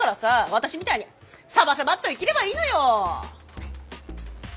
私みたいにサバサバっと生きればいいのよ。